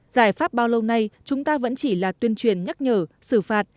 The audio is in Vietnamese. giải pháp bao lâu nay chúng ta vẫn chỉ là tuyên truyền nhắc nhở xử phạt